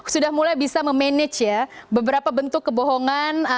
sudah mulai bisa memanage ya beberapa bentuk kebohongan